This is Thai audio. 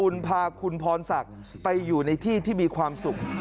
และก็มีการกินยาละลายริ่มเลือดแล้วก็ยาละลายขายมันมาเลยตลอดครับ